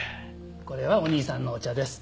これはお兄さんのお茶です。